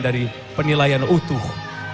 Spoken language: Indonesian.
dari penilaian utuh